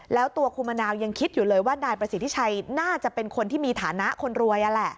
แล้วตัวคุณมะนาวยังคิดอยู่เลยว่านายประสิทธิชัยน่าจะเป็นคนที่มีฐานะคนรวย